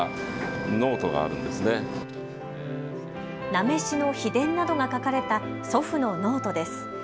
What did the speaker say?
なめしの秘伝などが書かれた祖父のノートです。